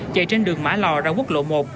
chạy trên đường mã lò ra quốc lộ một